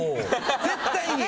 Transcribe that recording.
絶対に。